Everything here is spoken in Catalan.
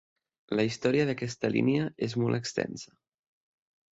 La història d'aquesta línia és molt extensa.